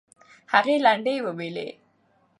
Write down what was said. هغې لنډۍ وویلې.